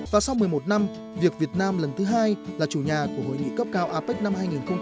và sau một mươi một năm việc việt nam lần thứ hai là chủ nhà của hội nghị cấp cao apec năm hai nghìn hai mươi